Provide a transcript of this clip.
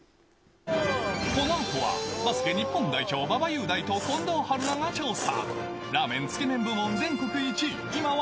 このあとはバスケ日本代表、馬場雄大と近藤春菜が調査。